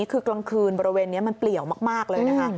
คือกลางคืนบริเวณนี้มันเปลี่ยวมากเลยนะคะ